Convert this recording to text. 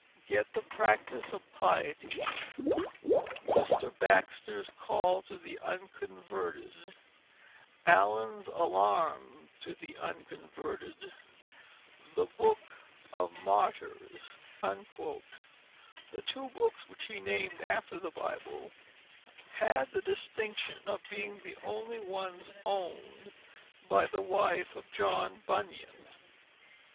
Get the Practice of Piety, Mr. Baxter's call to the Unconverted, Allen's Alarm to the Unconverted, The Book of Martyrs." The two books which he named after the Bible had the distinction of being the only ones owned by the wife of John Bunyan.